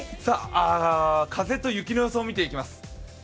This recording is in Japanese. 風と雪の予想見ていきます。